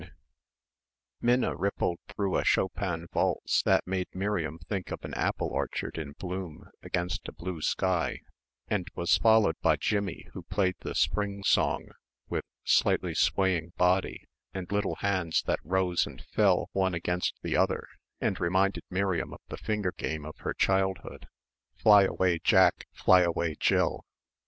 9 Minna rippled through a Chopin valse that made Miriam think of an apple orchard in bloom against a blue sky, and was followed by Jimmie who played the Spring Song with slightly swaying body and little hands that rose and fell one against the other, and reminded Miriam of the finger game of her childhood "Fly away Jack, fly away Jill."